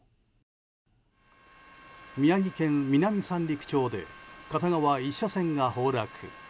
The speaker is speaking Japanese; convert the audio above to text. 宮城県南三陸町で片側１車線が崩落。